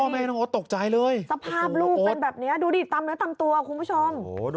แม่ตกใจเลยสภาพลูกเป็นแบบนี้ดูดิตำตัวคุณผู้ชมโอ๊ต